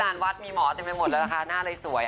งานวัดมีหมอเต็มไปหมดแล้วนะคะหน้าเลยสวย